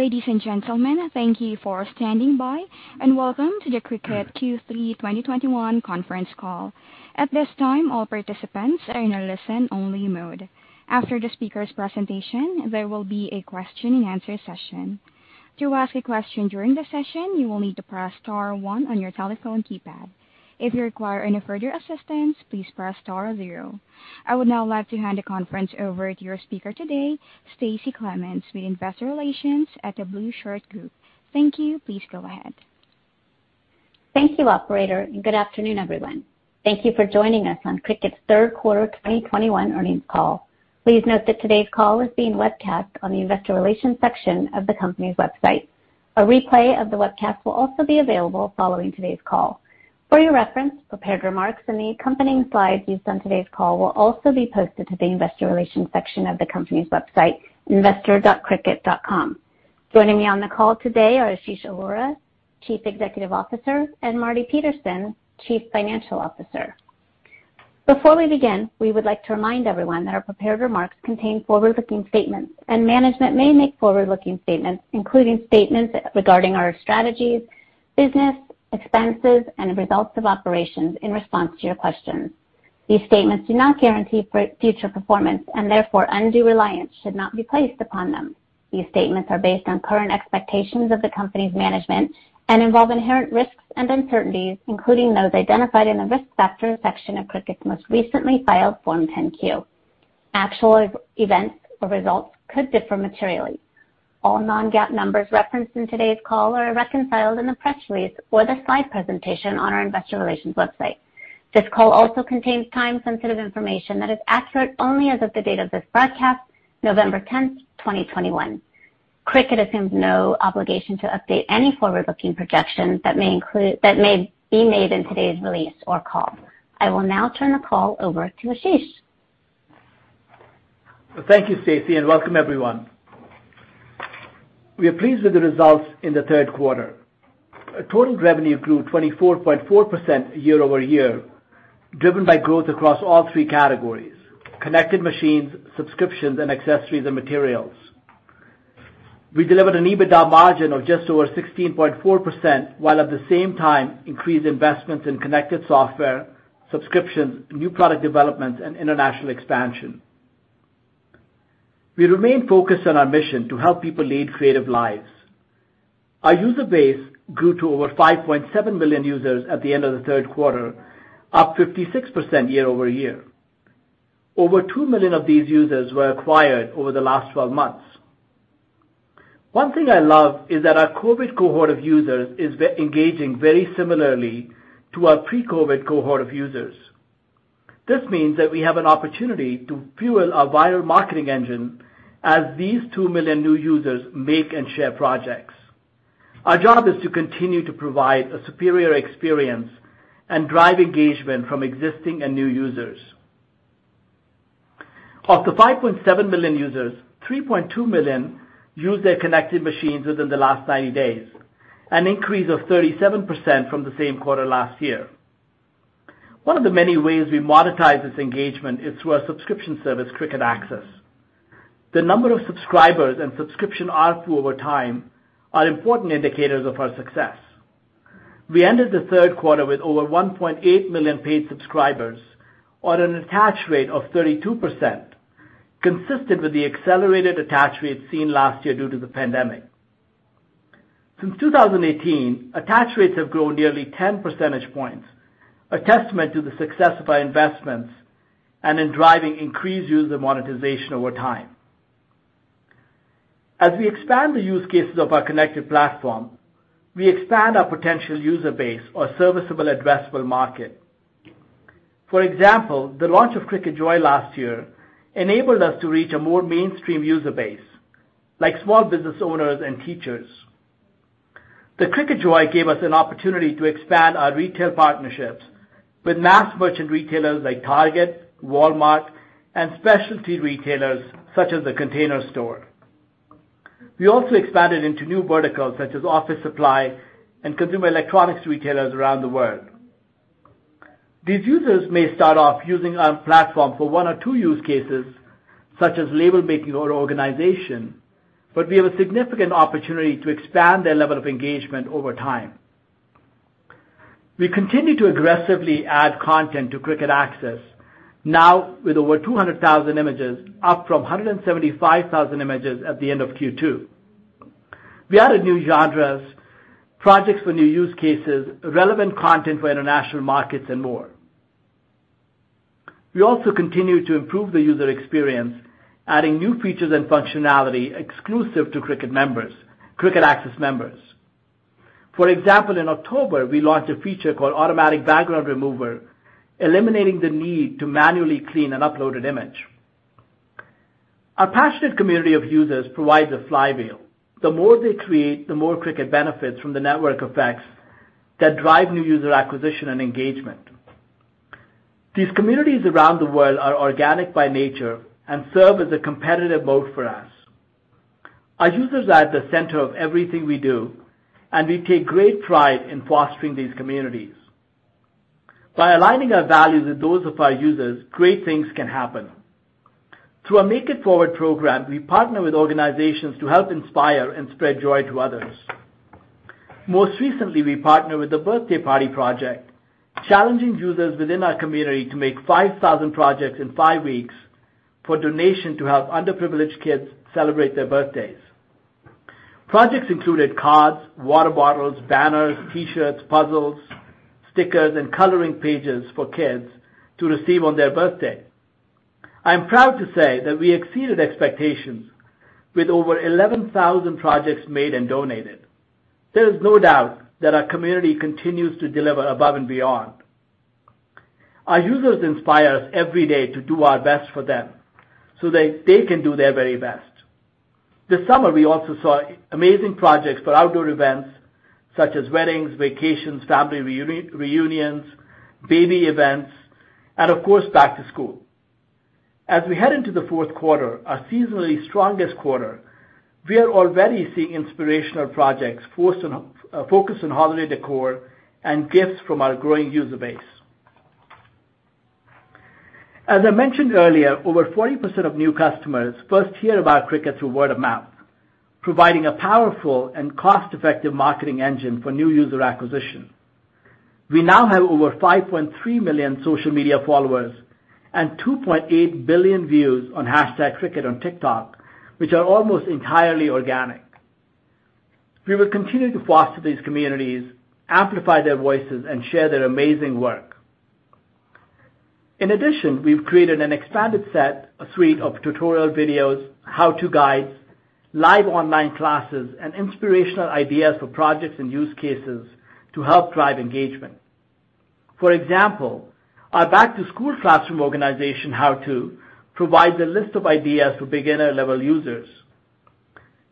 Ladies and gentlemen, thank you for standing by and welcome to the Cricut Q3 2021 conference call. At this time, all participants are in a listen-only mode. After the speaker's presentation, there will be a question-and-answer session. To ask a question during the session, you will need to press star one on your telephone keypad. If you require any further assistance, please press star zero. I would now like to hand the conference over to your speaker today, Stacie Clements with Investor Relations at The Blueshirt Group. Thank you. Please go ahead. Thank you, operator, and good afternoon, everyone. Thank you for joining us on Cricut's third quarter 2021 earnings call. Please note that today's call is being webcast on the investor relations section of the company's website. A replay of the webcast will also be available following today's call. For your reference, prepared remarks and the accompanying slides used on today's call will also be posted to the investor relations section of the company's website, investor.Cricut.com. Joining me on the call today are Ashish Arora, Chief Executive Officer, and Marty Petersen, Chief Financial Officer. Before we begin, we would like to remind everyone that our prepared remarks contain forward-looking statements, and management may make forward-looking statements, including statements regarding our strategies, business, expenses, and results of operations in response to your questions. These statements do not guarantee future performance and therefore undue reliance should not be placed upon them. These statements are based on current expectations of the company's management and involve inherent risks and uncertainties, including those identified in the Risk Factors section of Cricut's most recently filed Form 10-Q. Actual events or results could differ materially. All non-GAAP numbers referenced in today's call are reconciled in the press release or the slide presentation on our investor relations website. This call also contains time-sensitive information that is accurate only as of the date of this broadcast, November 10, 2021. Cricut assumes no obligation to update any forward-looking projections that may be made in today's release or call. I will now turn the call over to Ashish. Thank you, Stacie, and welcome everyone. We are pleased with the results in the third quarter. Total revenue grew 24.4% year-over-year, driven by growth across all three categories, connected machines, subscriptions, and accessories and materials. We delivered an EBITDA margin of just over 16.4%, while at the same time increased investments in connected software, subscriptions, new product developments, and international expansion. We remain focused on our mission to help people lead creative lives. Our user base grew to over 5.7 million users at the end of the third quarter, up 56% year-over-year. Over 2 million of these users were acquired over the last 12 months. One thing I love is that our COVID cohort of users is engaging very similarly to our pre-COVID cohort of users. This means that we have an opportunity to fuel our viral marketing engine as these 2 million new users make and share projects. Our job is to continue to provide a superior experience and drive engagement from existing and new users. Of the 5.7 million users, 3.2 million used their connected machines within the last 90 days, an increase of 37% from the same quarter last year. One of the many ways we monetize this engagement is through our subscription service, Cricut Access. The number of subscribers and subscription ARPU over time are important indicators of our success. We ended the third quarter with over 1.8 million paid subscribers on an attach rate of 32%, consistent with the accelerated attach rates seen last year due to the pandemic. Since 2018, attach rates have grown nearly 10 percentage points, a testament to the success of our investments and in driving increased user monetization over time. As we expand the use cases of our connected platform, we expand our potential user base or serviceable addressable market. For example, the launch of Cricut Joy last year enabled us to reach a more mainstream user base, like small business owners and teachers. The Cricut Joy gave us an opportunity to expand our retail partnerships with mass merchant retailers like Target, Walmart, and specialty retailers such as The Container Store. We also expanded into new verticals, such as office supply and consumer electronics retailers around the world. These users may start off using our platform for one or two use cases, such as label making or organization, but we have a significant opportunity to expand their level of engagement over time. We continue to aggressively add content to Cricut Access now with over 200,000 images, up from 175,000 images at the end of Q2. We added new genres, projects for new use cases, relevant content for international markets and more. We also continue to improve the user experience, adding new features and functionality exclusive to Cricut members, Cricut Access members. For example, in October, we launched a feature called Automatic Background Remover, eliminating the need to manually clean an uploaded image. Our passionate community of users provides a flywheel. The more they create, the more Cricut benefits from the network effects that drive new user acquisition and engagement. These communities around the world are organic by nature and serve as a competitive moat for us. Our users are at the center of everything we do, and we take great pride in fostering these communities. By aligning our values with those of our users, great things can happen. Through our Make It Forward program, we partner with organizations to help inspire and spread joy to others. Most recently, we partnered with The Birthday Party Project, challenging users within our community to make 5,000 projects in five weeks for donation to help underprivileged kids celebrate their birthdays. Projects included cards, water bottles, banners, T-shirts, puzzles, stickers, and coloring pages for kids to receive on their birthday. I'm proud to say that we exceeded expectations with over 11,000 projects made and donated. There is no doubt that our community continues to deliver above and beyond. Our users inspire us every day to do our best for them so that they can do their very best. This summer, we also saw amazing projects for outdoor events such as weddings, vacations, family reunions, baby events, and of course, back to school. As we head into the fourth quarter, our seasonally strongest quarter, we are already seeing inspirational projects focused on holiday decor and gifts from our growing user base. As I mentioned earlier, over 40% of new customers first hear about Cricut through word of mouth, providing a powerful and cost-effective marketing engine for new user acquisition. We now have over 5.3 million social media followers and 2.8 billion views on hashtag Cricut on TikTok, which are almost entirely organic. We will continue to foster these communities, amplify their voices, and share their amazing work. In addition, we've created an expanded suite of tutorial videos, how-to guides, live online classes, and inspirational ideas for projects and use cases to help drive engagement. For example, our back-to-school classroom organization how to provide a list of ideas for beginner-level users.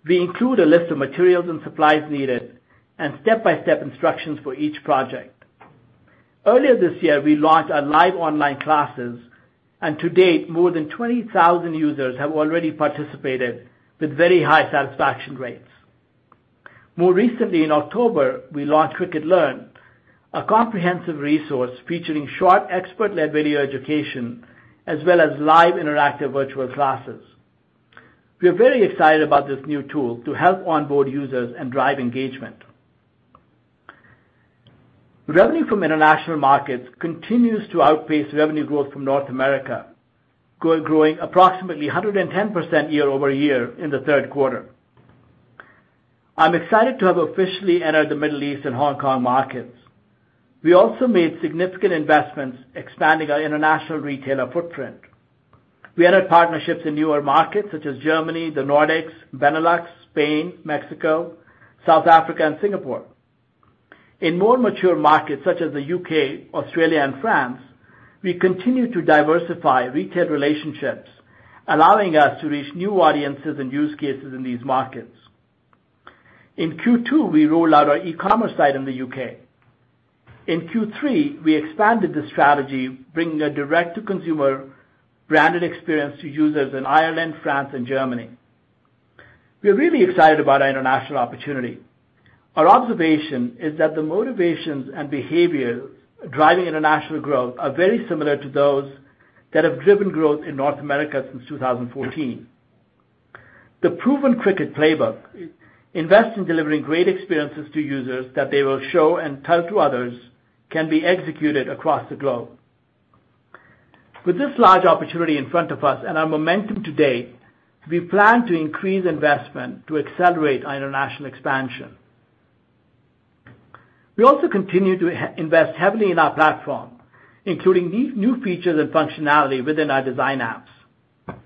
We include a list of materials and supplies needed and step-by-step instructions for each project. Earlier this year, we launched our live online classes, and to date, more than 20,000 users have already participated with very high satisfaction rates. More recently, in October, we launched Cricut Learn, a comprehensive resource featuring short, expert-led video education as well as live interactive virtual classes. We are very excited about this new tool to help onboard users and drive engagement. Revenue from international markets continues to outpace revenue growth from North America, growing approximately 110% year-over-year in the third quarter. I'm excited to have officially entered the Middle East and Hong Kong markets. We also made significant investments expanding our international retailer footprint. We added partnerships in newer markets such as Germany, the Nordics, Benelux, Spain, Mexico, South Africa, and Singapore. In more mature markets such as the U.K., Australia, and France, we continue to diversify retail relationships, allowing us to reach new audiences and use cases in these markets. In Q2, we rolled out our e-commerce site in the U.K. In Q3, we expanded the strategy, bringing a direct-to-consumer branded experience to users in Ireland, France, and Germany. We are really excited about our international opportunity. Our observation is that the motivations and behaviors driving international growth are very similar to those that have driven growth in North America since 2014. The proven Cricut playbook, invest in delivering great experiences to users that they will show and tell to others, can be executed across the globe. With this large opportunity in front of us and our momentum today, we plan to increase investment to accelerate our international expansion. We also continue to invest heavily in our platform, including these new features and functionality within our design apps.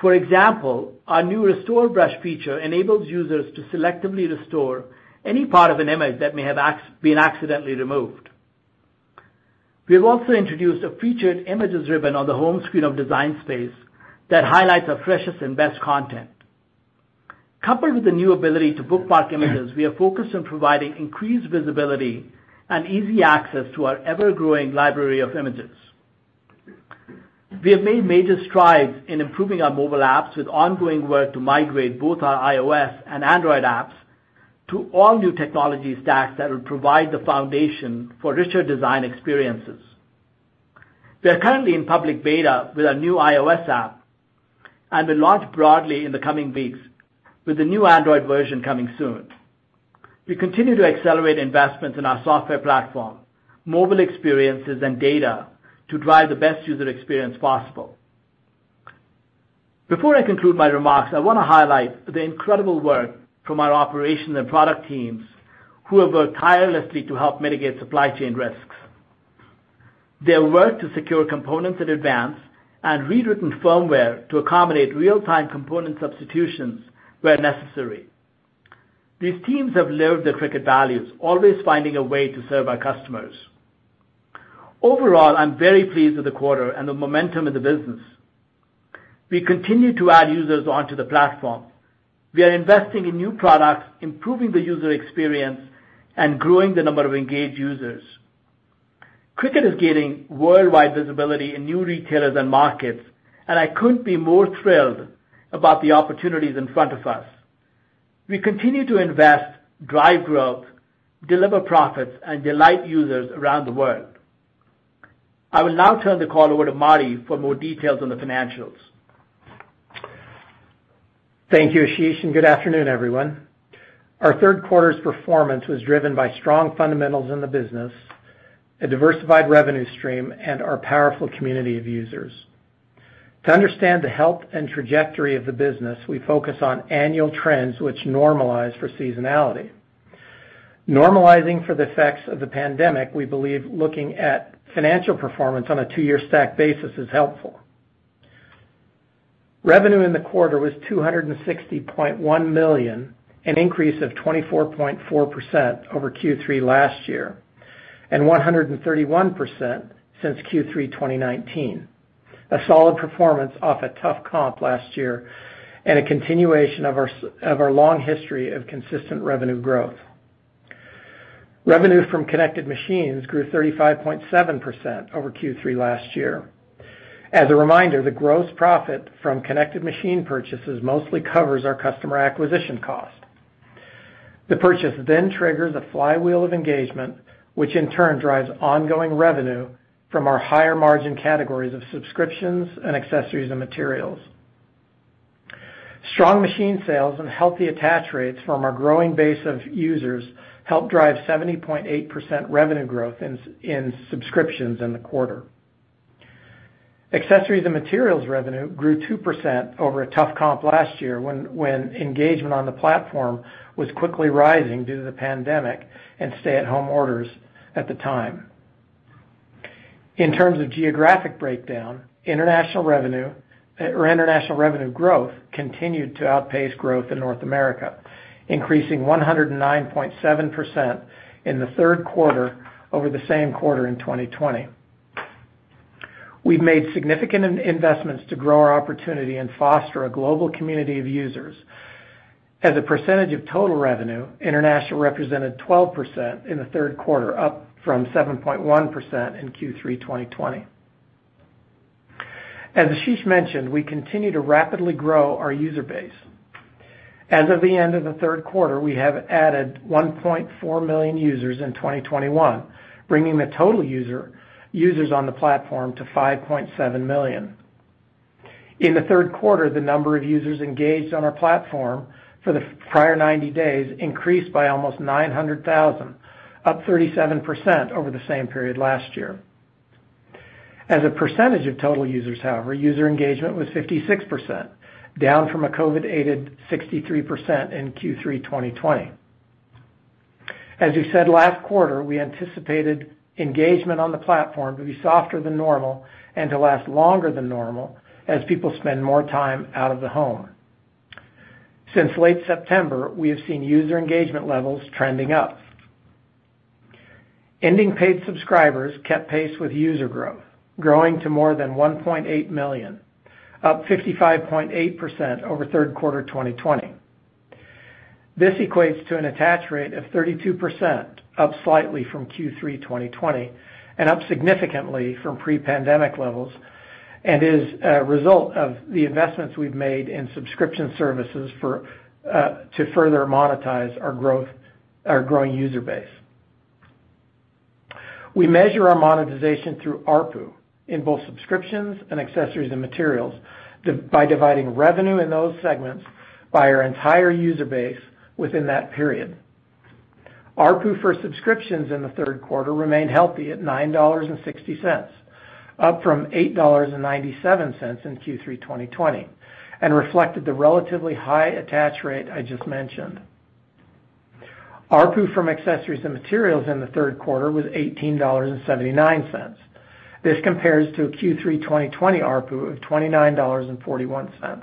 For example, our new restore brush feature enables users to selectively restore any part of an image that may have accidentally been removed. We have also introduced a featured images ribbon on the home screen of Design Space that highlights our freshest and best content. Coupled with the new ability to bookmark images, we are focused on providing increased visibility and easy access to our ever-growing library of images. We have made major strides in improving our mobile apps with ongoing work to migrate both our iOS and Android apps to all new technology stacks that will provide the foundation for richer design experiences. We are currently in public beta with our new iOS app and will launch broadly in the coming weeks with the new Android version coming soon. We continue to accelerate investments in our software platform, mobile experiences, and data to drive the best user experience possible. Before I conclude my remarks, I want to highlight the incredible work from our operations and product teams who have worked tirelessly to help mitigate supply chain risks, their work to secure components in advance and rewritten firmware to accommodate real-time component substitutions where necessary. These teams have lived the Cricut values, always finding a way to serve our customers. Overall, I'm very pleased with the quarter and the momentum of the business. We continue to add users onto the platform. We are investing in new products, improving the user experience, and growing the number of engaged users. Cricut is gaining worldwide visibility in new retailers and markets, and I couldn't be more thrilled about the opportunities in front of us. We continue to invest, drive growth, deliver profits, and delight users around the world. I will now turn the call over to Marty for more details on the financials. Thank you, Ashish, and good afternoon, everyone. Our third quarter's performance was driven by strong fundamentals in the business, a diversified revenue stream, and our powerful community of users. To understand the health and trajectory of the business, we focus on annual trends which normalize for seasonality. Normalizing for the effects of the pandemic, we believe looking at financial performance on a two-year stack basis is helpful. Revenue in the quarter was $260.1 million, an increase of 24.4% over Q3 last year, and 131% since Q3 2019. A solid performance off a tough comp last year and a continuation of our long history of consistent revenue growth. Revenue from connected machines grew 35.7% over Q3 last year. As a reminder, the gross profit from connected machine purchases mostly covers our customer acquisition cost. The purchase then triggers a flywheel of engagement, which in turn drives ongoing revenue from our higher margin categories of subscriptions and accessories and materials. Strong machine sales and healthy attach rates from our growing base of users helped drive 70.8% revenue growth in subscriptions in the quarter. Accessories and materials revenue grew 2% over a tough comp last year when engagement on the platform was quickly rising due to the pandemic and stay-at-home orders at the time. In terms of geographic breakdown, international revenue or international revenue growth continued to outpace growth in North America, increasing 109.7% in the third quarter over the same quarter in 2020. We've made significant investments to grow our opportunity and foster a global community of users. As a percentage of total revenue, international represented 12% in the third quarter, up from 7.1% in Q3 2020. As Ashish mentioned, we continue to rapidly grow our user base. As of the end of the third quarter, we have added 1.4 million users in 2021, bringing the total users on the platform to 5.7 million. In the third quarter, the number of users engaged on our platform for the prior 90 days increased by almost 900,000, up 37% over the same period last year. As a percentage of total users, however, user engagement was 56%, down from a COVID-aided 63% in Q3 2020. As we said last quarter, we anticipated engagement on the platform to be softer than normal and to last longer than normal as people spend more time out of the home. Since late September, we have seen user engagement levels trending up. Ending paid subscribers kept pace with user growth, growing to more than 1.8 million, up 55.8% over third quarter 2020. This equates to an attach rate of 32%, up slightly from Q3 2020, and up significantly from pre-pandemic levels, and is a result of the investments we've made in subscription services for to further monetize our growing user base. We measure our monetization through ARPU in both subscriptions and accessories and materials by dividing revenue in those segments by our entire user base within that period. ARPU for subscriptions in the third quarter remained healthy at $9.60, up from $8.97 in Q3 2020, and reflected the relatively high attach rate I just mentioned. ARPU from accessories and materials in the third quarter was $18.79. This compares to a Q3 2020 ARPU of $29.41,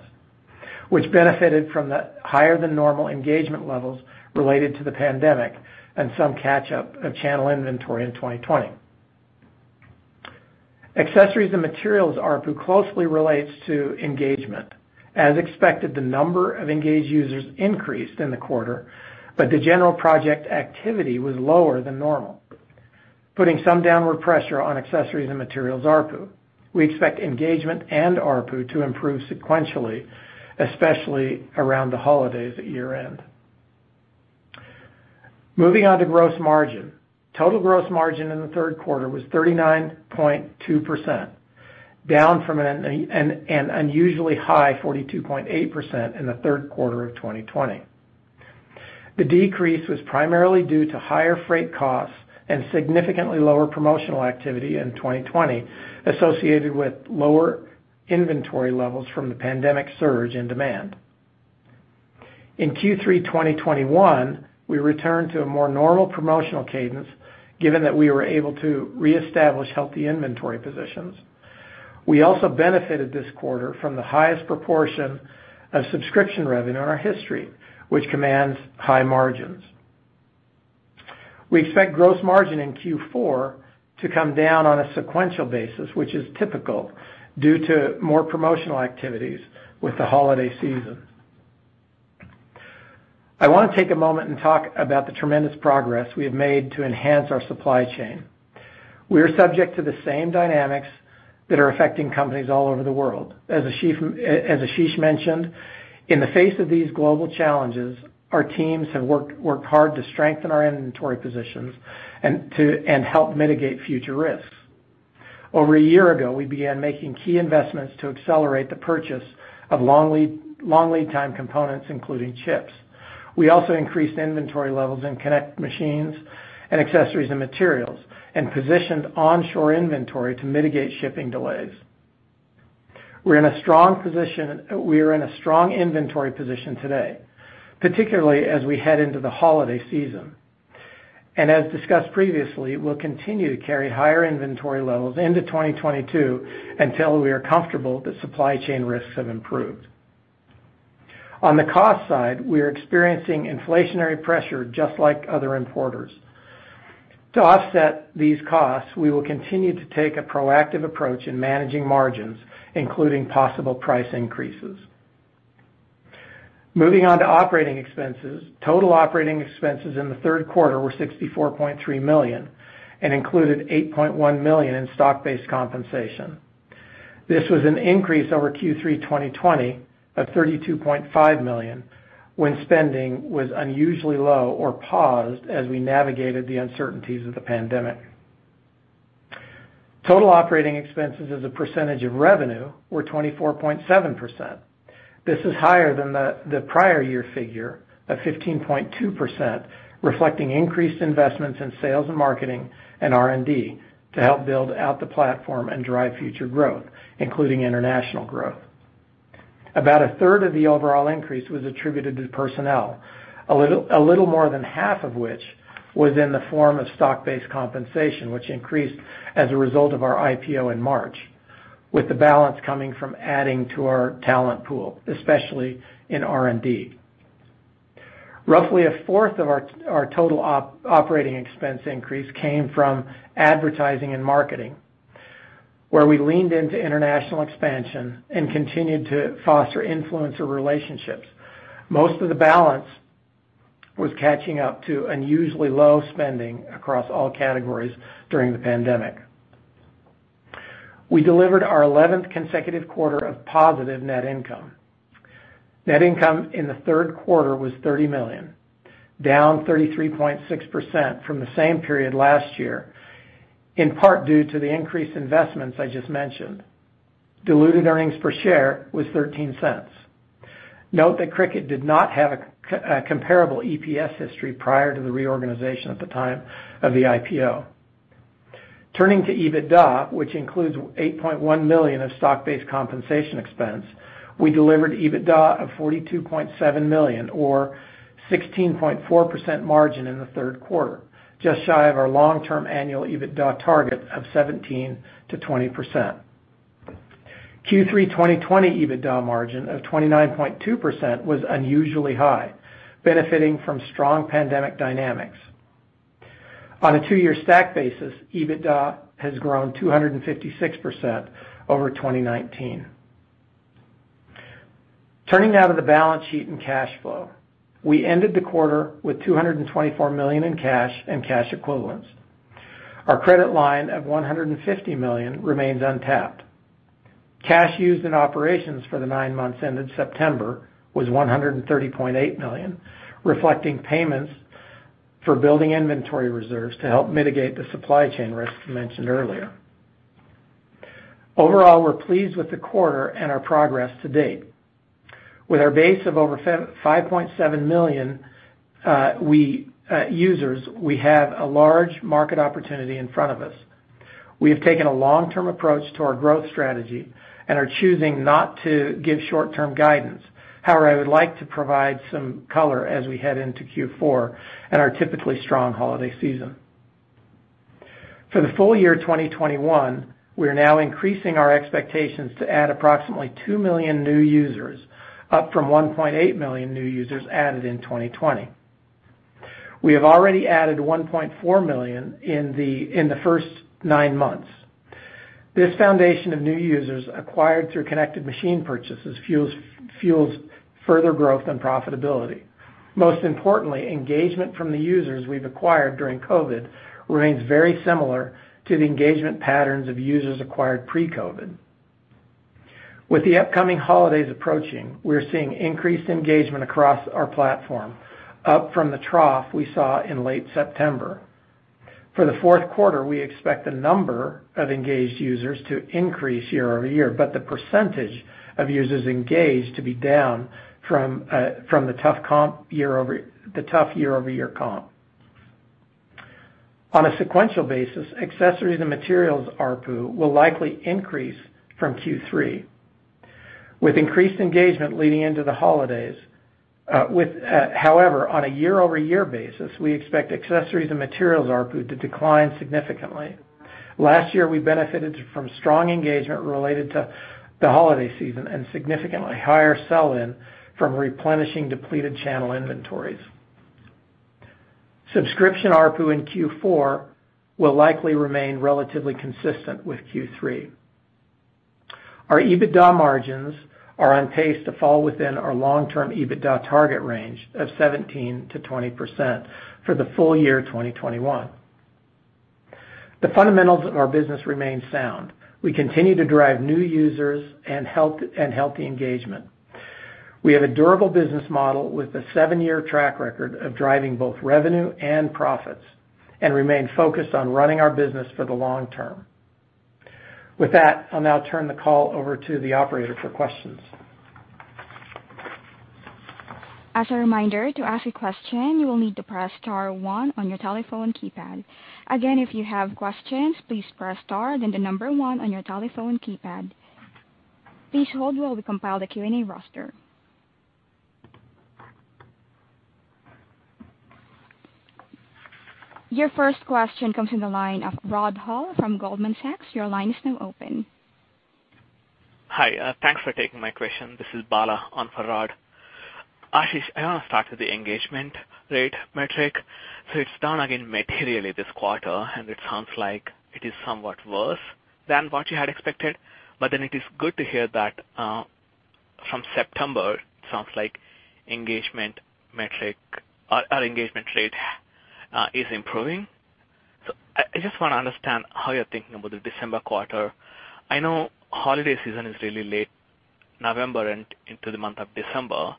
which benefited from the higher than normal engagement levels related to the pandemic and some catch up of channel inventory in 2020. Accessories and materials ARPU closely relates to engagement. As expected, the number of engaged users increased in the quarter, but the general project activity was lower than normal, putting some downward pressure on accessories and materials ARPU. We expect engagement and ARPU to improve sequentially, especially around the holidays at year-end. Moving on to gross margin. Total gross margin in the third quarter was 39.2%, down from an unusually high 42.8% in the third quarter of 2020. The decrease was primarily due to higher freight costs and significantly lower promotional activity in 2020 associated with lower inventory levels from the pandemic surge in demand. In Q3 2021, we returned to a more normal promotional cadence, given that we were able to reestablish healthy inventory positions. We also benefited this quarter from the highest proportion of subscription revenue in our history, which commands high margins. We expect gross margin in Q4 to come down on a sequential basis, which is typical due to more promotional activities with the holiday season. I wanna take a moment and talk about the tremendous progress we have made to enhance our supply chain. We are subject to the same dynamics that are affecting companies all over the world. As Ashish mentioned, in the face of these global challenges, our teams have worked hard to strengthen our inventory positions and help mitigate future risks. Over a year ago, we began making key investments to accelerate the purchase of long lead time components, including chips. We also increased inventory levels in Cricut machines and accessories and materials, and positioned onshore inventory to mitigate shipping delays. We are in a strong inventory position today, particularly as we head into the holiday season. As discussed previously, we'll continue to carry higher inventory levels into 2022 until we are comfortable that supply chain risks have improved. On the cost side, we are experiencing inflationary pressure just like other importers. To offset these costs, we will continue to take a proactive approach in managing margins, including possible price increases. Moving on to operating expenses. Total operating expenses in the third quarter were $64.3 million and included $8.1 million in stock-based compensation. This was an increase over Q3 2020 of $32.5 million, when spending was unusually low or paused as we navigated the uncertainties of the pandemic. Total operating expenses as a percentage of revenue were 24.7%. This is higher than the prior year figure of 15.2%, reflecting increased investments in sales and marketing and R&D to help build out the platform and drive future growth, including international growth. About a third of the overall increase was attributed to personnel. A little more than half of which was in the form of stock-based compensation, which increased as a result of our IPO in March, with the balance coming from adding to our talent pool, especially in R&D. Roughly a fourth of our total operating expense increase came from advertising and marketing, where we leaned into international expansion and continued to foster influencer relationships. Most of the balance was catching up to unusually low spending across all categories during the pandemic. We delivered our 11th consecutive quarter of positive net income. Net income in the third quarter was $30 million, down 33.6% from the same period last year, in part due to the increased investments I just mentioned. Diluted earnings per share was $0.13. Note that Cricut did not have a comparable EPS history prior to the reorganization at the time of the IPO. Turning to EBITDA, which includes $8.1 million of stock-based compensation expense, we delivered EBITDA of $42.7 million or 16.4% margin in the third quarter, just shy of our long-term annual EBITDA target of 17%-20%. Q3 2020 EBITDA margin of 29.2% was unusually high, benefiting from strong pandemic dynamics. On a two-year stack basis, EBITDA has grown 256% over 2019. Turning now to the balance sheet and cash flow. We ended the quarter with $224 million in cash and cash equivalents. Our credit line of $150 million remains untapped. Cash used in operations for the nine months ended September was $130.8 million, reflecting payments for building inventory reserves to help mitigate the supply chain risks mentioned earlier. Overall, we're pleased with the quarter and our progress to date. With our base of over 5.7 million users, we have a large market opportunity in front of us. We have taken a long-term approach to our growth strategy and are choosing not to give short-term guidance. However, I would like to provide some color as we head into Q4 and our typically strong holiday season. For the full year 2021, we are now increasing our expectations to add approximately 2 million new users, up from 1.8 million new users added in 2020. We have already added 1.4 million in the first nine months. This foundation of new users acquired through connected machine purchases fuels further growth and profitability. Most importantly, engagement from the users we've acquired during COVID remains very similar to the engagement patterns of users acquired pre-COVID. With the upcoming holidays approaching, we're seeing increased engagement across our platform, up from the trough we saw in late September. For the fourth quarter, we expect the number of engaged users to increase year-over-year, but the percentage of users engaged to be down from the tough comp year-over-year comp. On a sequential basis, accessories and materials ARPU will likely increase from Q3 with increased engagement leading into the holidays. However, on a year-over-year basis, we expect accessories and materials ARPU to decline significantly. Last year, we benefited from strong engagement related to the holiday season and significantly higher sell-in from replenishing depleted channel inventories. Subscription ARPU in Q4 will likely remain relatively consistent with Q3. Our EBITDA margins are on pace to fall within our long-term EBITDA target range of 17%-20% for the full year 2021. The fundamentals of our business remain sound. We continue to drive new users and healthy engagement. We have a durable business model with a 7-year track record of driving both revenue and profits and remain focused on running our business for the long term. With that, I'll now turn the call over to the operator for questions. As a reminder, to ask a question, you will need to press star one on your telephone keypad. Again, if you have questions, please press star then the number one on your telephone keypad. Please hold while we compile the Q&A roster. Your first question comes from the line of Rod Hall from Goldman Sachs. Your line is now open. Hi, thanks for taking my question. This is Bala on for Rod. Ashish, I want to start with the engagement rate metric. It's down again materially this quarter, and it sounds like it is somewhat worse than what you had expected. It is good to hear that from September, it sounds like engagement metric or engagement rate is improving. I just want to understand how you're thinking about the December quarter. I know holiday season is really late November and into the month of December,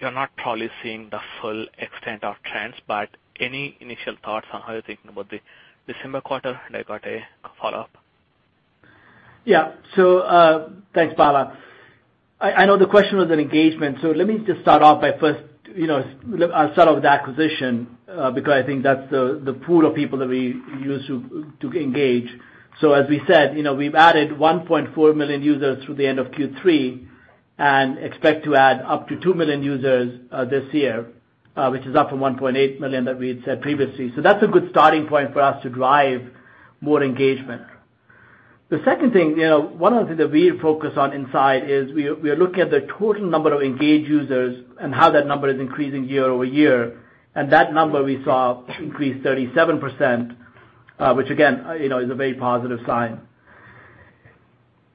you're not probably seeing the full extent of trends, any initial thoughts on how you're thinking about the December quarter? I got a follow-up. Yeah. Thanks, Bala. I know the question was on engagement, so let me just start off by first, you know, I'll start off with acquisition, because I think that's the pool of people that we use to engage. As we said, you know, we've added 1.4 million users through the end of Q3 and expect to add up to 2 million users this year, which is up from 1.8 million that we had said previously. That's a good starting point for us to drive more engagement. The second thing, you know, one of the things that we focus on inside is we are looking at the total number of engaged users and how that number is increasing year-over-year. That number we saw increase 37%, which again, you know, is a very positive sign.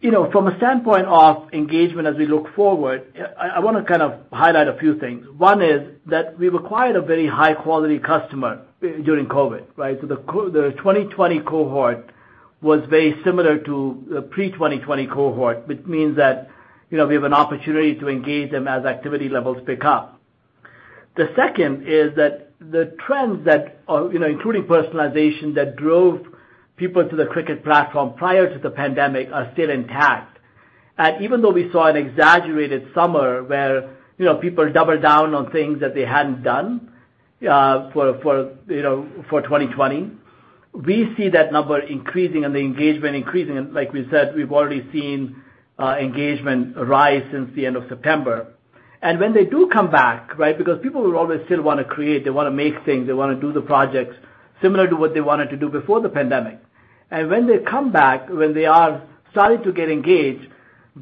You know, from a standpoint of engagement as we look forward, I wanna kind of highlight a few things. One is that we've acquired a very high-quality customer during COVID, right? The 2020 cohort was very similar to the pre-2020 cohort, which means that, you know, we have an opportunity to engage them as activity levels pick up. The second is that the trends that, you know, including personalization, that drove people to the Cricut platform prior to the pandemic are still intact. Even though we saw an exaggerated summer where, you know, people doubled down on things that they hadn't done for 2020, we see that number increasing and the engagement increasing. Like we said, we've already seen engagement rise since the end of September. When they do come back, right, because people will always still wanna create, they wanna make things, they wanna do the projects similar to what they wanted to do before the pandemic. When they come back, when they are starting to get engaged,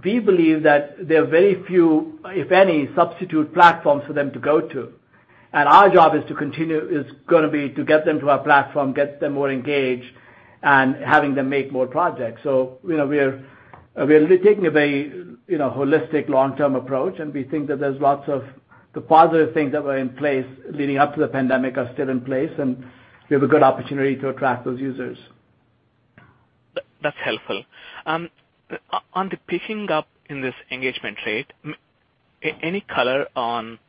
we believe that there are very few, if any, substitute platforms for them to go to. Our job is gonna be to get them to our platform, get them more engaged, and having them make more projects. You know, we're taking a very, you know, holistic long-term approach, and we think that there's lots of the positive things that were in place leading up to the pandemic are still in place, and we have a good opportunity to attract those users. That's helpful. On the picking up in this engagement rate, any color on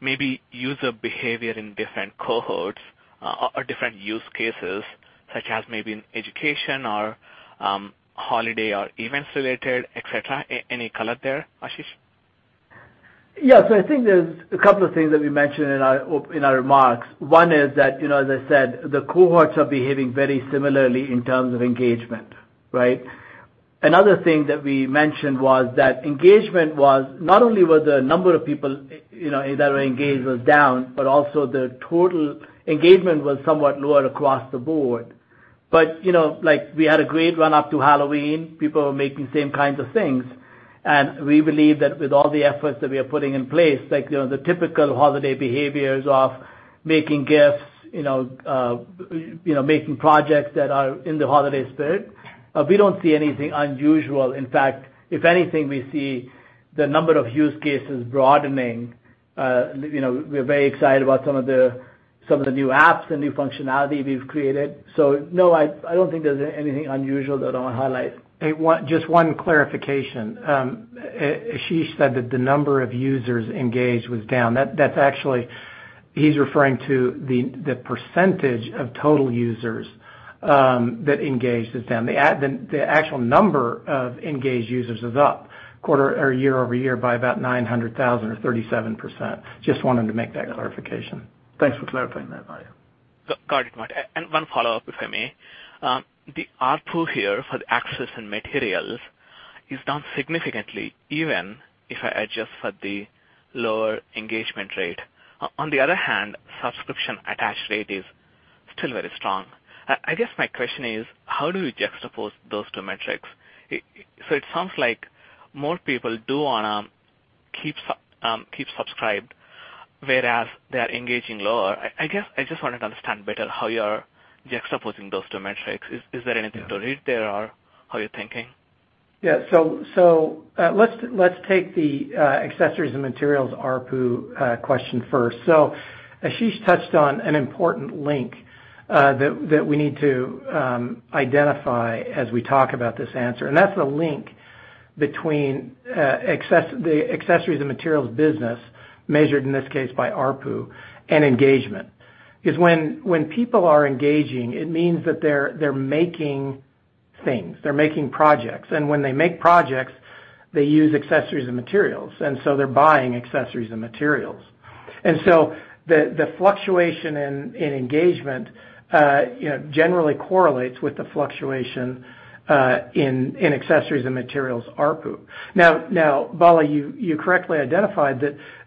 maybe user behavior in different cohorts or different use cases such as maybe in education or holiday or events related, et cetera? Any color there, Ashish? Yeah. I think there's a couple of things that we mentioned in our remarks. One is that, you know, as I said, the cohorts are behaving very similarly in terms of engagement, right? Another thing that we mentioned was that engagement was not only were the number of people, you know, that were engaged was down, but also the total engagement was somewhat lower across the board. You know, like, we had a great run up to Halloween. People were making same kinds of things. We believe that with all the efforts that we are putting in place, like, you know, the typical holiday behaviors of making gifts, you know, making projects that are in the holiday spirit, we don't see anything unusual. In fact, if anything, we see the number of use cases broadening. You know, we're very excited about some of the new apps and new functionality we've created. No, I don't think there's anything unusual that I wanna highlight. Hey, just one clarification. Ashish said that the number of users engaged was down. That's actually, he's referring to the percentage of total users that engaged is down. The actual number of engaged users is up quarter-over-year or year-over-year by about 900,000 or 37%. Just wanted to make that clarification. Thanks for clarifying that Marty. One follow-up, if I may. The ARPU here for the access and materials is down significantly even if I adjust for the lower engagement rate. On the other hand, subscription attach rate is still very strong. I guess my question is, how do you juxtapose those two metrics? So it sounds like more people do wanna keep subscribed, whereas they are engaging lower. I guess I just wanted to understand better how you are juxtaposing those two metrics. Is there anything to read there or how you're thinking? Yeah. Let's take the accessories and materials ARPU question first. Ashish touched on an important link that we need to identify as we talk about this answer. That's the link between the accessories and materials business measured in this case by ARPU and engagement. Because when people are engaging, it means that they're making things, they're making projects. When they make projects, they use accessories and materials, and so they're buying accessories and materials. The fluctuation in engagement, you know, generally correlates with the fluctuation in accessories and materials ARPU. Now, Bala, you correctly identified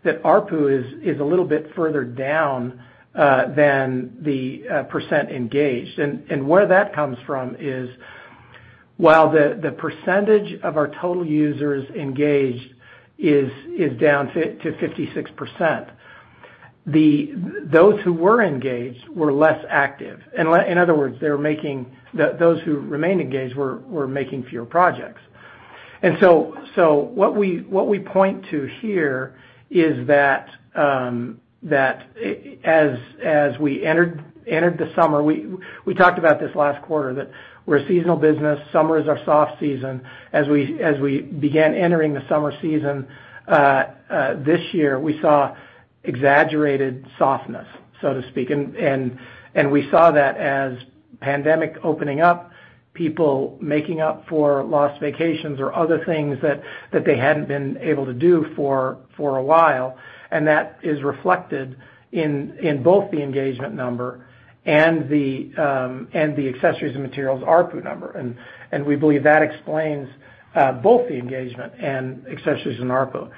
that ARPU is a little bit further down than the percent engaged. Where that comes from is, while the percentage of our total users engaged is down to 56%, those who were engaged were less active. In other words, those who remained engaged were making fewer projects. What we point to here is that as we entered the summer, we talked about this last quarter, that we're a seasonal business. Summer is our soft season. As we began entering the summer season this year, we saw exaggerated softness, so to speak. We saw that as pandemic opening up, people making up for lost vacations or other things that they hadn't been able to do for a while, and that is reflected in both the engagement number and the accessories and materials ARPU number. We believe that explains both the engagement and accessories and ARPU.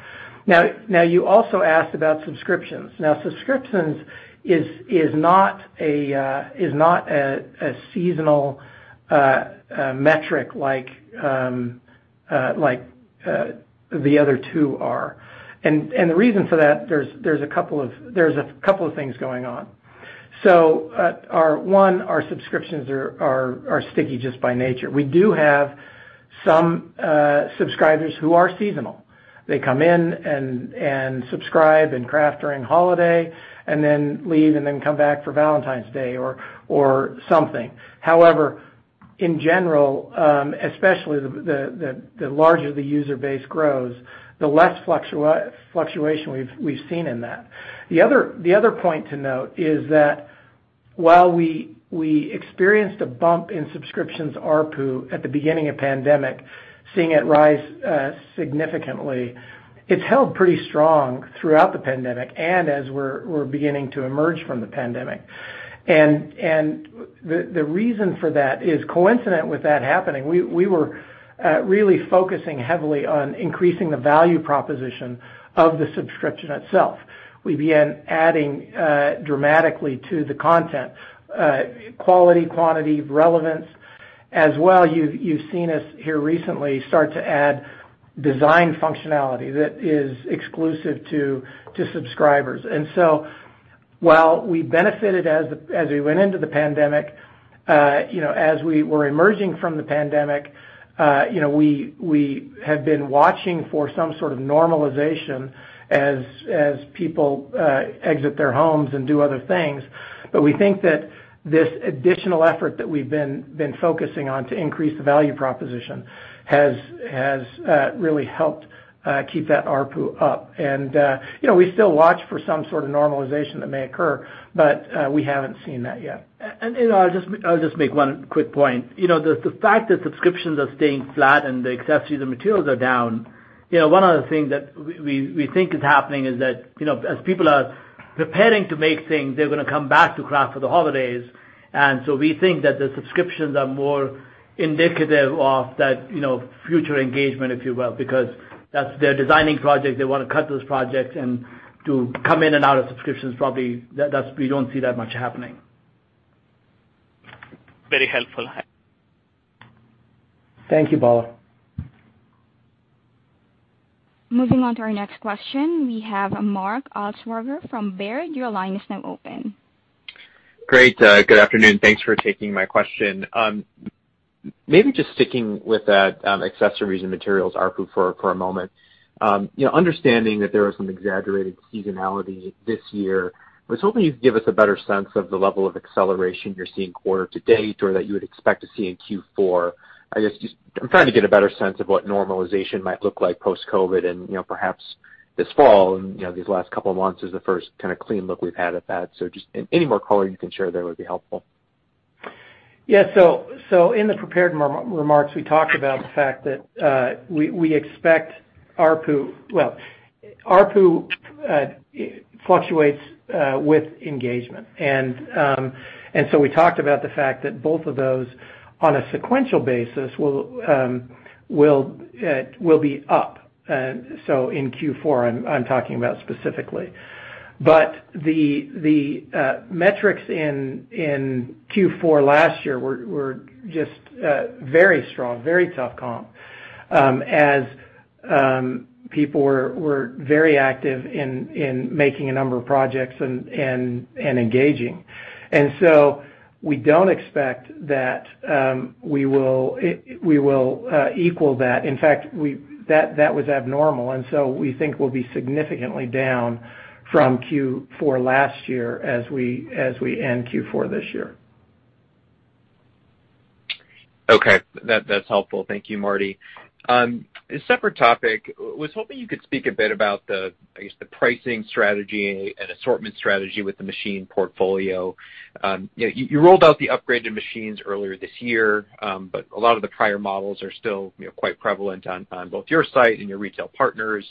Now you also asked about subscriptions. Now subscriptions is not a seasonal metric like the other two are. The reason for that, there's a couple of things going on. Our subscriptions are sticky just by nature. We do have some subscribers who are seasonal. They come in and subscribe and craft during holiday and then leave and then come back for Valentine's Day or something. However, in general, especially the larger the user base grows, the less fluctuation we've seen in that. The other point to note is that while we experienced a bump in subscriptions ARPU at the beginning of pandemic, seeing it rise significantly, it's held pretty strong throughout the pandemic and as we're beginning to emerge from the pandemic. The reason for that is coincident with that happening, we were really focusing heavily on increasing the value proposition of the subscription itself. We began adding dramatically to the content quality, quantity, relevance. As well you've seen us here recently start to add design functionality that is exclusive to subscribers. While we benefited as we went into the pandemic, you know, as we were emerging from the pandemic, you know, we have been watching for some sort of normalization as people exit their homes and do other things. We think that this additional effort that we've been focusing on to increase the value proposition has really helped keep that ARPU up. You know, we still watch for some sort of normalization that may occur, but we haven't seen that yet. I'll just make one quick point. You know, the fact that subscriptions are staying flat and the accessories and materials are down, you know, one of the things that we think is happening is that, you know, as people are preparing to make things, they're gonna come back to craft for the holidays. We think that the subscriptions are more indicative of that, you know, future engagement, if you will, because that's their designing project. They wanna cut those projects and to come in and out of subscriptions probably. That's we don't see that much happening. Very helpful. Thank you, Bala. Moving on to our next question. We have Mark Altschwager from Baird. Your line is now open. Great. Good afternoon. Thanks for taking my question. Maybe just sticking with that, accessories and materials ARPU for a moment. You know, understanding that there was some exaggerated seasonality this year, I was hoping you'd give us a better sense of the level of acceleration you're seeing quarter to date or that you would expect to see in Q4. I guess just I'm trying to get a better sense of what normalization might look like post-COVID and, you know, perhaps this fall and, you know, these last couple of months is the first kind of clean look we've had at that. Just any more color you can share there would be helpful. In the prepared remarks, we talked about the fact that we expect ARPU. Well, ARPU fluctuates with engagement. We talked about the fact that both of those on a sequential basis will be up. In Q4 I'm talking about specifically. The metrics in Q4 last year were just very strong, very tough comp, as people were very active in making a number of projects and engaging. We don't expect that we will equal that. In fact, that was abnormal. We think we'll be significantly down from Q4 last year as we end Q4 this year. Okay. That's helpful. Thank you, Marty. A separate topic. Was hoping you could speak a bit about the, I guess, the pricing strategy and assortment strategy with the machine portfolio. You rolled out the upgraded machines earlier this year, but a lot of the prior models are still, you know, quite prevalent on both your site and your retail partners,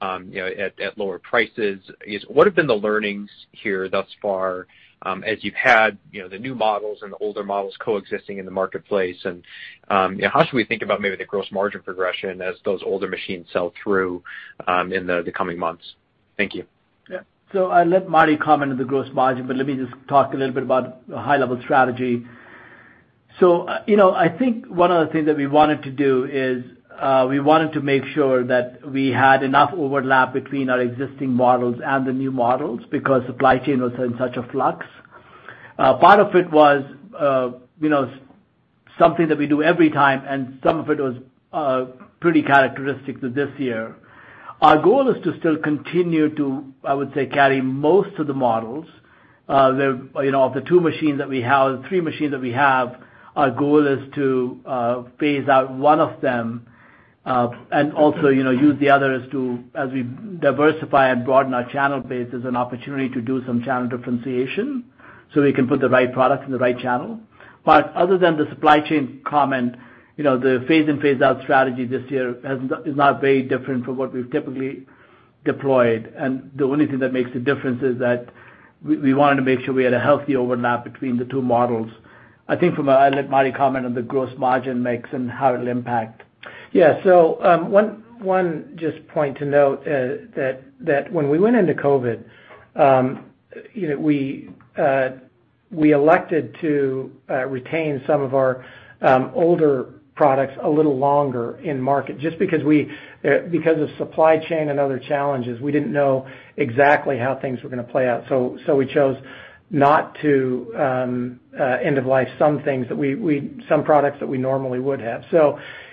you know, at lower prices. I guess, what have been the learnings here thus far, as you've had, you know, the new models and the older models coexisting in the marketplace? You know, how should we think about maybe the gross margin progression as those older machines sell through, in the coming months? Thank you. I'll let Marty comment on the gross margin, but let me just talk a little bit about the high level strategy. I think one of the things that we wanted to do is, we wanted to make sure that we had enough overlap between our existing models and the new models because supply chain was in such a flux. Part of it was, you know, something that we do every time, and some of it was, pretty characteristic to this year. Our goal is to still continue to, I would say, carry most of the models. You know, of the three machines that we have, our goal is to phase out one of them and also, you know, use the others to, as we diversify and broaden our channel base, as an opportunity to do some channel differentiation, so we can put the right products in the right channel. But other than the supply chain comment, you know, the phase in, phase out strategy this year is not very different from what we've typically deployed. The only thing that makes a difference is that we wanted to make sure we had a healthy overlap between the two models. I think I'll let Marty comment on the gross margin mix and how it'll impact. Yeah. One just point to note that when we went into COVID, you know, we elected to retain some of our older products a little longer in market just because of supply chain and other challenges. We didn't know exactly how things were gonna play out. We chose not to end of life some products that we normally would have.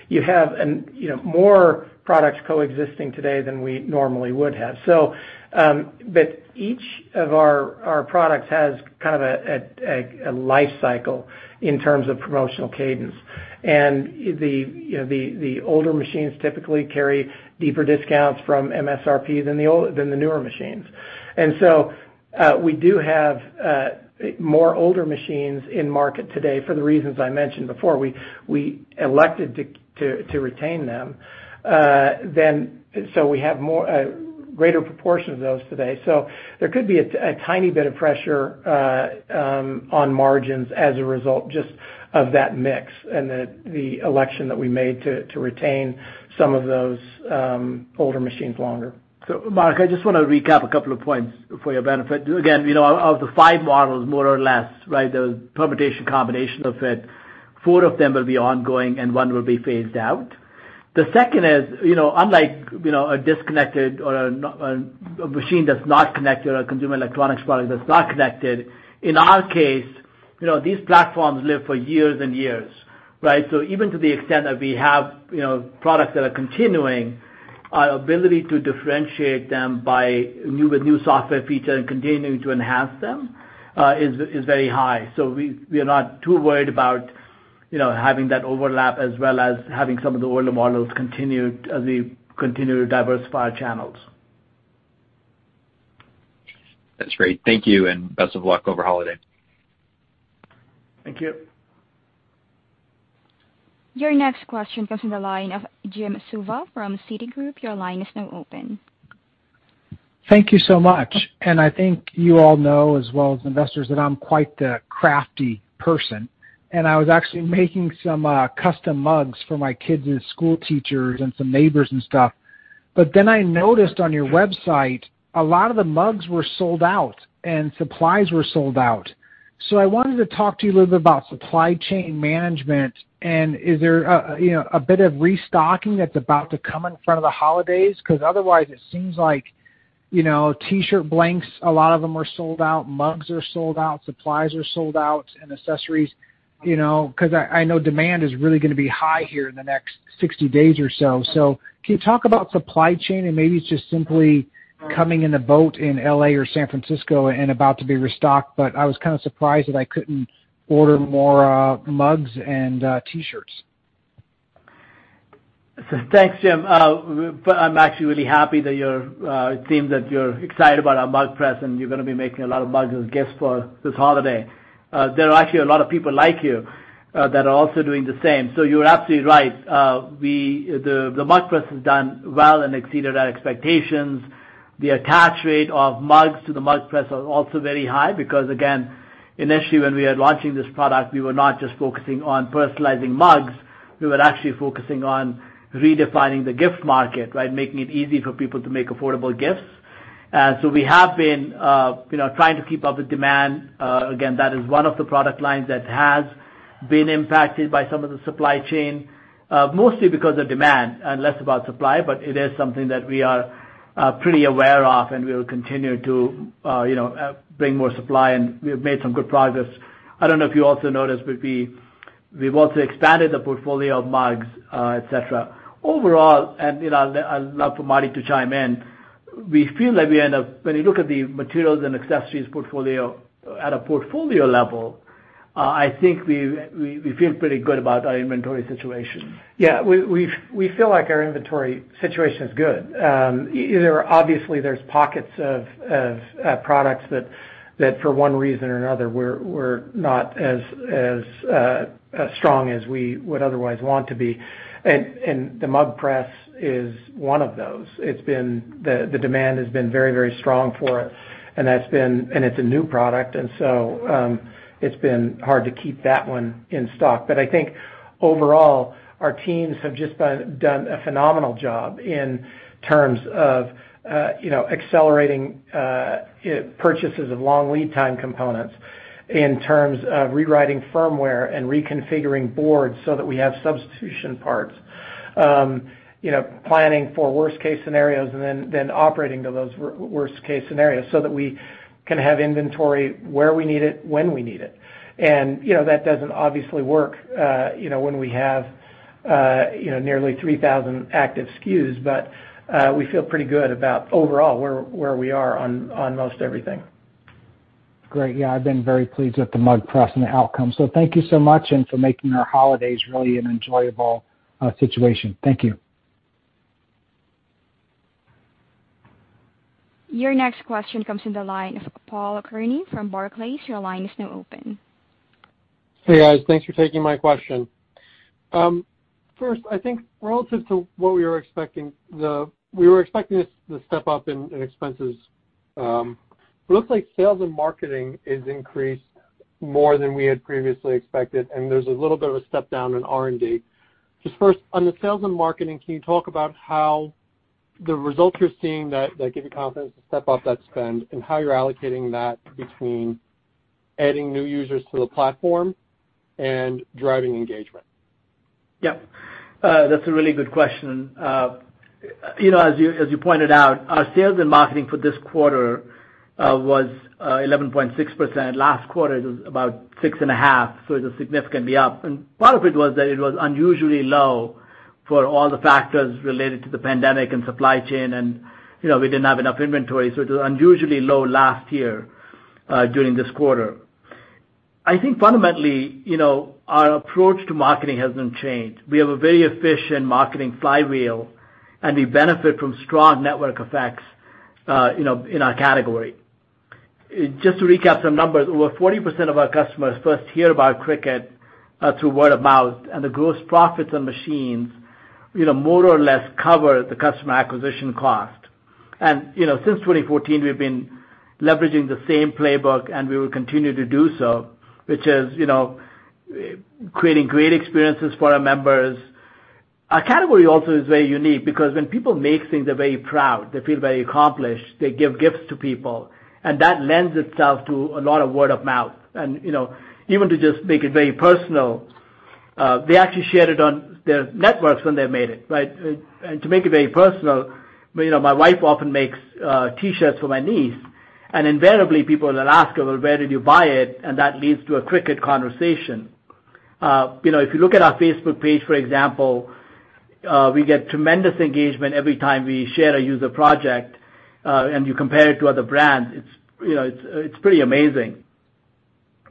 You have, you know, more products coexisting today than we normally would have. But each of our products has kind of a life cycle in terms of promotional cadence. The older machines typically carry deeper discounts from MSRP than the newer machines. We do have more older machines in market today for the reasons I mentioned before. We elected to retain them. Then so we have more greater proportion of those today. There could be a tiny bit of pressure on margins as a result just of that mix and the election that we made to retain some of those older machines longer. Mark, I just wanna recap a couple of points for your benefit. Again, you know, of the five models, more or less, right, the permutation combination of it, four of them will be ongoing and one will be phased out. The second is, you know, unlike, you know, a disconnected or a machine that's not connected or a consumer electronics product that's not connected, in our case, you know, these platforms live for years and years, right? Even to the extent that we have, you know, products that are continuing, our ability to differentiate them with new software feature and continuing to enhance them, is very high. We are not too worried about, you know, having that overlap as well as having some of the older models continue as we continue to diversify our channels. That's great. Thank you and best of luck over holiday. Thank you. Your next question comes from the line of Jim Suva from Citigroup. Your line is now open. Thank you so much. I think you all know as well as investors that I'm quite the crafty person, and I was actually making some custom mugs for my kids' school teachers and some neighbors and stuff. Then I noticed on your website a lot of the mugs were sold out and supplies were sold out. I wanted to talk to you a little bit about supply chain management. Is there a you know a bit of restocking that's about to come in front of the holidays? 'Cause otherwise it seems like you know T-shirt blanks a lot of them are sold out, mugs are sold out, supplies are sold out, and accessories you know. 'Cause I know demand is really gonna be high here in the next 60 days or so. Can you talk about supply chain? Maybe it's just simply coming in a boat in L.A. or San Francisco and about to be restocked, but I was kind of surprised that I couldn't order more mugs and T-shirts. Thanks, Jim. But I'm actually really happy that you're, it seems that you're excited about our Mug Press and you're gonna be making a lot of mugs as gifts for this holiday. There are actually a lot of people like you that are also doing the same. You're absolutely right. The Mug Press has done well and exceeded our expectations. The attach rate of mugs to the Mug Press are also very high because, initially, when we are launching this product, we were not just focusing on personalizing mugs, we were actually focusing on redefining the gift market, right? Making it easy for people to make affordable gifts. We have been, you know, trying to keep up with demand. Again, that is one of the product lines that has been impacted by some of the supply chain, mostly because of demand and less about supply, but it is something that we are pretty aware of, and we will continue to, you know, bring more supply, and we have made some good progress. I don't know if you also noticed, but we've also expanded the portfolio of mugs, et cetera. Overall, you know, I'd love for Marty to chime in. We feel like when you look at the materials and accessories portfolio at a portfolio level, I think we feel pretty good about our inventory situation. We feel like our inventory situation is good. You know, obviously there's pockets of products that for one reason or another were not as strong as we would otherwise want to be. The Mug Press is one of those. The demand has been very strong for it, and it's a new product, so it's been hard to keep that one in stock. I think overall, our teams have just done a phenomenal job in terms of, you know, accelerating purchases of long lead time components, in terms of rewriting firmware and reconfiguring boards so that we have substitution parts. You know, planning for worst case scenarios and then operating to those worst case scenarios so that we can have inventory where we need it, when we need it. You know, that doesn't obviously work, you know, when we have nearly 3,000 active SKUs. We feel pretty good about overall where we are on most everything. Great. Yeah. I've been very pleased with the Mug Press and the outcome. Thank you so much for making our holidays really an enjoyable situation. Thank you. Your next question comes in the line of Paul Kearney from Barclays. Your line is now open. Hey, guys. Thanks for taking my question. First, I think relative to what we were expecting, we were expecting a step up in expenses. Looks like sales and marketing is increased more than we had previously expected, and there's a little bit of a step down in R&D. Just first, on the sales and marketing, can you talk about how the results you're seeing that give you confidence to step up that spend and how you're allocating that between adding new users to the platform and driving engagement? Yeah. That's a really good question. You know, as you pointed out, our sales and marketing for this quarter was 11.6%. Last quarter, it was about 6.5%, so it is significantly up. Part of it was that it was unusually low for all the factors related to the pandemic and supply chain and, you know, we didn't have enough inventory, so it was unusually low last year during this quarter. I think fundamentally, you know, our approach to marketing hasn't changed. We have a very efficient marketing flywheel, and we benefit from strong network effects, you know, in our category. Just to recap some numbers, over 40% of our customers first hear about Cricut through word of mouth, and the gross profits on machines, you know, more or less cover the customer acquisition cost. You know, since 2014, we've been leveraging the same playbook, and we will continue to do so, which is, you know, creating great experiences for our members. Our category also is very unique because when people make things, they're very proud. They feel very accomplished. They give gifts to people, and that lends itself to a lot of word of mouth. You know, even to just make it very personal, they actually share it on their networks when they've made it, right? To make it very personal, you know, my wife often makes T-shirts for my niece. Invariably, people will ask her, "Well, where did you buy it?" That leads to a Cricut conversation. You know, if you look at our Facebook page, for example, we get tremendous engagement every time we share a user project, and you compare it to other brands, it's, you know, it's pretty amazing.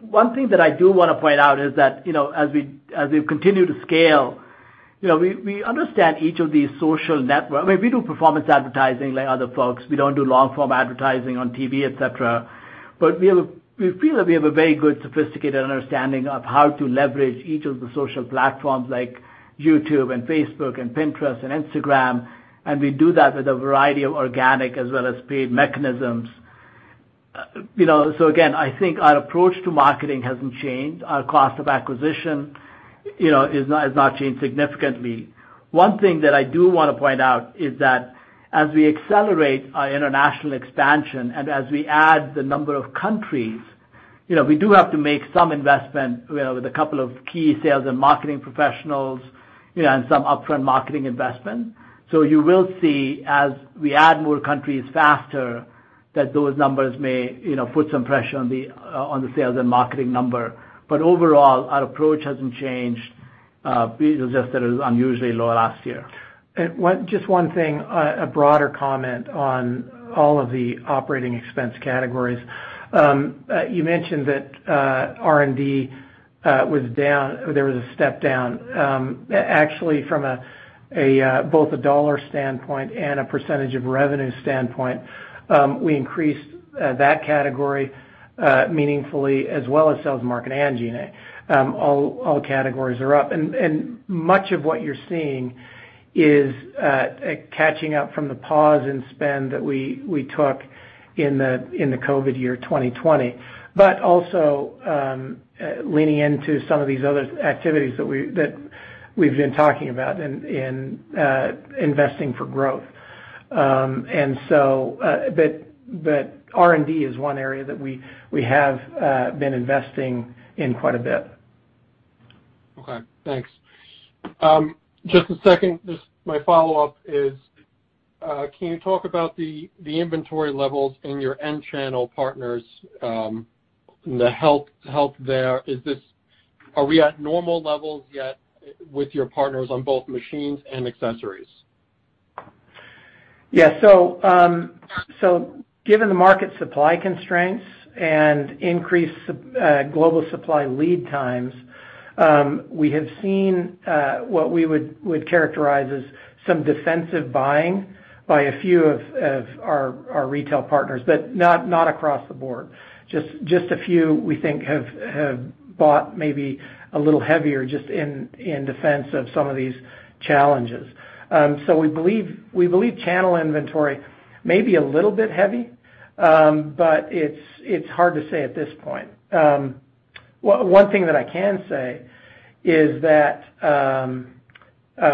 One thing that I do wanna point out is that, you know, as we continue to scale, you know, we understand each of these social network. I mean, we do performance advertising like other folks. We don't do long-form advertising on TV, et cetera. But we feel that we have a very good sophisticated understanding of how to leverage each of the social platforms like YouTube and Facebook and Pinterest and Instagram, and we do that with a variety of organic as well as paid mechanisms. You know, again, I think our approach to marketing hasn't changed. Our cost of acquisition, you know, has not changed significantly. One thing that I do wanna point out is that as we accelerate our international expansion and as we add the number of countries, you know, we do have to make some investment, you know, with a couple of key sales and marketing professionals, you know, and some upfront marketing investment. You will see as we add more countries faster, that those numbers may, you know, put some pressure on the sales and marketing number. Overall, our approach hasn't changed. It was just that it was unusually low last year. One thing, a broader comment on all of the operating expense categories. You mentioned that R&D was down, there was a step down. Actually from both a dollar standpoint and a percentage of revenue standpoint, we increased that category meaningfully as well as sales, marketing, and G&A. All categories are up. Much of what you're seeing is catching up from the pause and spend that we took in the COVID year 2020. But also leaning into some of these other activities that we've been talking about in investing for growth. But R&D is one area that we have been investing in quite a bit. Okay, thanks. Just a second. Just my follow-up is, can you talk about the inventory levels in your end channel partners, the health there. Are we at normal levels yet with your partners on both machines and accessories? Yeah. Given the market supply constraints and increased global supply lead times, we have seen what we would characterize as some defensive buying by a few of our retail partners, but not across the board. Just a few we think have bought maybe a little heavier just in defense of some of these challenges. We believe channel inventory may be a little bit heavy, but it's hard to say at this point. One thing that I can say is that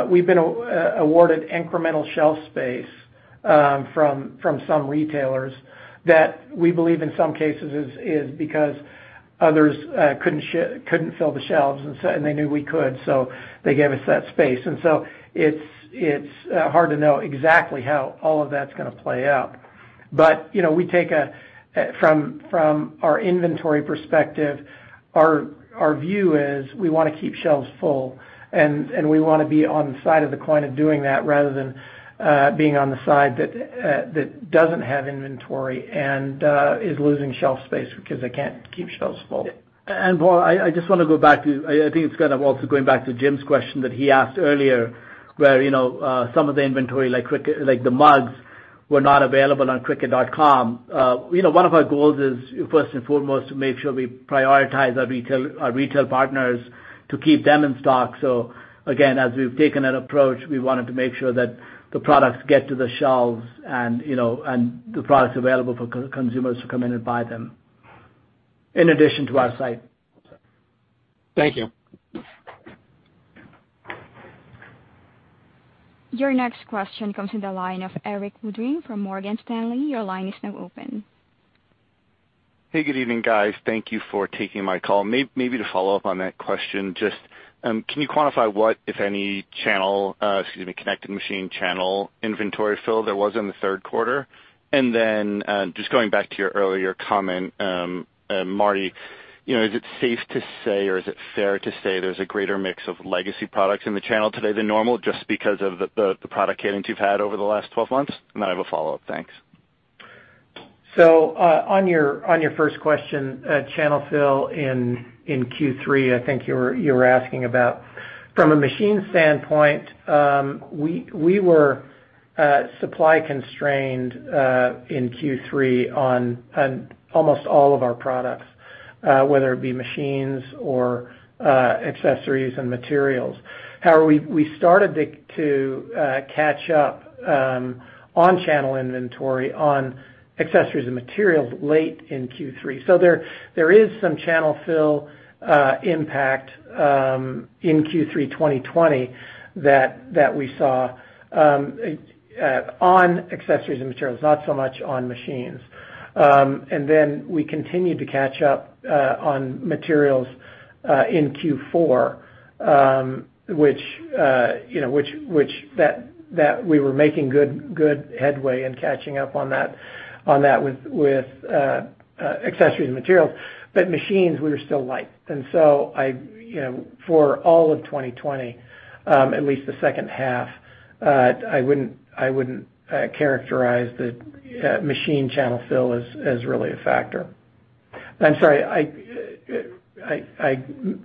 we've been awarded incremental shelf space from some retailers that we believe in some cases is because others couldn't fill the shelves and they knew we could, so they gave us that space. It's hard to know exactly how all of that's gonna play out. You know, from our inventory perspective, our view is we wanna keep shelves full and we wanna be on the side of the coin of doing that rather than being on the side that doesn't have inventory and is losing shelf space because they can't keep shelves full. Paul, I just wanna go back to, I think it's kind of also going back to Jim's question that he asked earlier, where, you know, some of the inventory like the mugs were not available on Cricut.com. You know, one of our goals is first and foremost, to make sure we prioritize our retail partners to keep them in stock. Again, as we've taken that approach, we wanted to make sure that the products get to the shelves and, you know, the products available for consumers to come in and buy them, in addition to our site. Thank you. Your next question comes in the line of Erik Woodring from Morgan Stanley. Your line is now open. Hey, good evening, guys. Thank you for taking my call. To follow up on that question, just can you quantify what, if any, channel connected machine channel inventory fill there was in the third quarter? Just going back to your earlier comment, Marty, you know, is it safe to say or is it fair to say there's a greater mix of legacy products in the channel today than normal just because of the product cadence you've had over the last 12 months? I have a follow-up. Thanks. On your first question, channel fill in Q3, I think you were asking about from a machine standpoint. We were supply constrained in Q3 on almost all of our products, whether it be machines or accessories and materials. However, we started to catch up on channel inventory on accessories and materials late in Q3. There is some channel fill impact in Q3 2020 that we saw on accessories and materials, not so much on machines. We continued to catch up on materials in Q4, which you know we were making good headway in catching up on that with accessories and materials. Machines, we were still light. You know, for all of 2020, at least the second half, I wouldn't characterize the machine channel fill as really a factor. I'm sorry,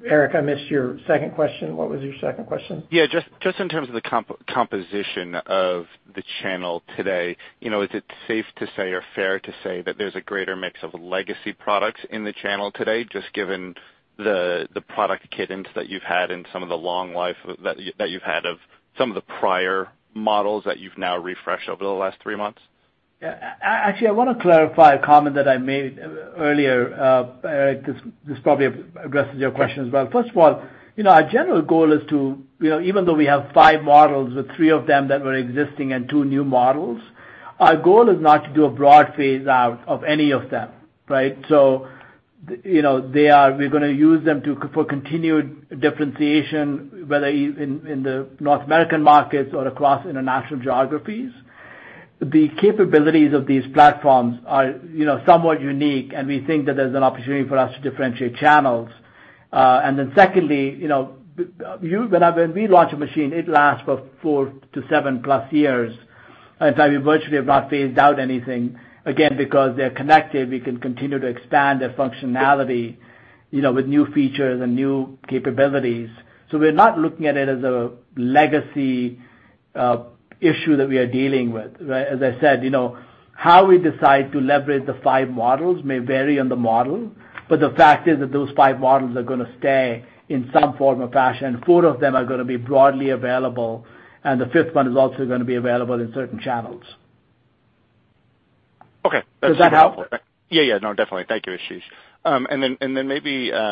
Erik, I missed your second question. What was your second question? Yeah. Just in terms of the composition of the channel today, you know, is it safe to say or fair to say that there's a greater mix of legacy products in the channel today, just given the product cadence that you've had and some of the long life that you've had of some of the prior models that you've now refreshed over the last three months? Actually, I want to clarify a comment that I made earlier, Erik. This probably addresses your questions as well. First of all, you know, our general goal is to, you know, even though we have five models with three of them that were existing and two new models, our goal is not to do a broad phase out of any of them, right? You know, we're gonna use them for continued differentiation, whether in the North American markets or across international geographies. The capabilities of these platforms are, you know, somewhat unique, and we think that there's an opportunity for us to differentiate channels. And then secondly, you know, when we launch a machine, it lasts for 4-7+ years, and so we virtually have not phased out anything. Again, because they're connected, we can continue to expand their functionality, you know, with new features and new capabilities. We're not looking at it as a legacy issue that we are dealing with, right? As I said, you know. How we decide to leverage the five models may vary on the model, but the fact is that those five models are gonna stay in some form or fashion. Four of them are gonna be broadly available, and the fifth one is also gonna be available in certain channels. Okay. Does that help? Yeah, yeah. No, definitely. Thank you, Ashish. Maybe, you know,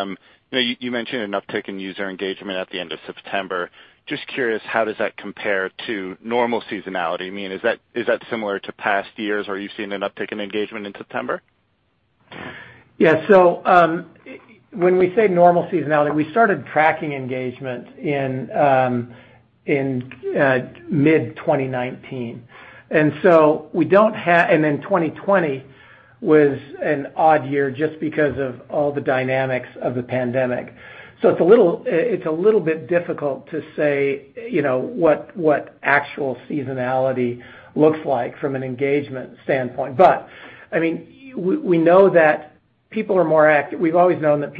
you mentioned an uptick in user engagement at the end of September. Just curious, how does that compare to normal seasonality? I mean, is that similar to past years? Are you seeing an uptick in engagement in September? Yeah. When we say normal seasonality, we started tracking engagement in mid-2019. Then 2020 was an odd year just because of all the dynamics of the pandemic. It's a little bit difficult to say, you know, what actual seasonality looks like from an engagement standpoint. But I mean, we know that people are more active in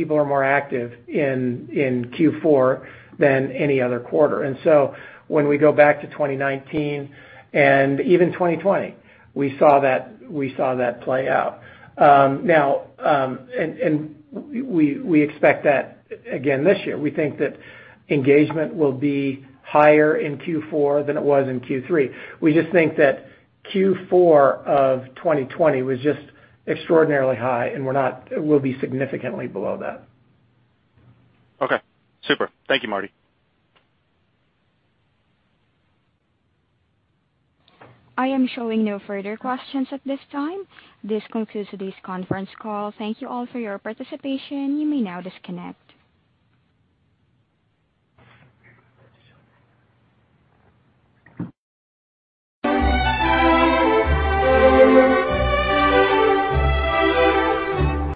Q4 than any other quarter. When we go back to 2019 and even 2020, we saw that play out. Now, we expect that again this year. We think that engagement will be higher in Q4 than it was in Q3. We just think that Q4 of 2020 was just extraordinarily high, and we'll be significantly below that. Okay, super. Thank you, Marty. I am showing no further questions at this time. This concludes today's conference call. Thank you all for your participation. You may now disconnect.